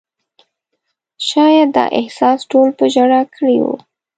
شاید دا احساس ټول په ژړا کړي وو.